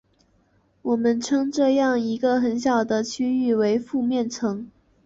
我们称这样一个很小的区域为附面层。